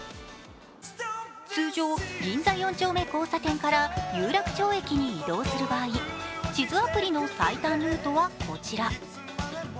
通常、銀座四丁目交差点から有楽町駅に移動する場合、地図アプリの最短ルートはこちら。